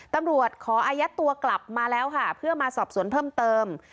ตำรวจขออายัดตัวกลับมาแล้วค่ะเพื่อมาสอบสวนเพิ่มเติม